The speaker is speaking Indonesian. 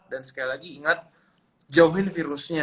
dan sekali lagi ingat jauhin virusnya